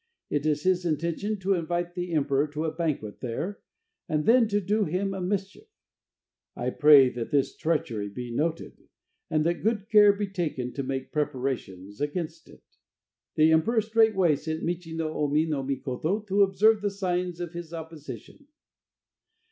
It is his intention to invite the emperor to a banquet there, and then to do him a mischief. I pray that this treachery be noted, and that good care be taken to make preparation against it." The emperor straightway sent Michi no Omi no Mikoto to observe the signs of his opposition.